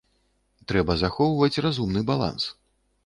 Трэба захоўваць разумны баланс.